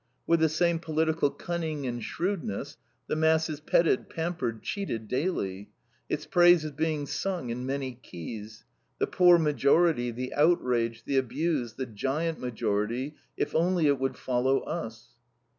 With the same political cunning and shrewdness the mass is petted, pampered, cheated daily. Its praise is being sung in many keys: the poor majority, the outraged, the abused, the giant majority, if only it would follow us.